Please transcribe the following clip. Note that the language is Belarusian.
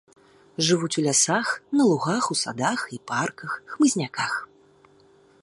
Жывуць у лясах, на лугах, у садах і парках, хмызняках.